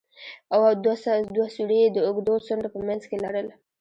او دوه سوري يې د اوږدو څنډو په منځ کښې لرل.